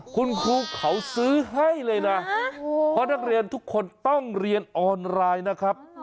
คุณครูเขาซื้อให้เลยนะเพราะนักเรียนทุกคนต้องเรียนออนไลน์นะครับ